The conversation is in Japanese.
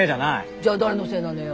じゃ誰のせいなのよ。